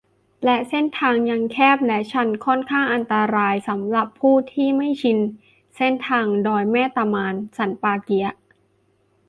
และเส้นทางยังแคบและชัน ค่อนข้างอันตรายสำหรับผู้ที่ไม่ชินเส้นทาง ดอยแม่ตะมาน สันป่าเกี๊ยะ